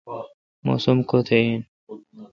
موسم کوتھ این۔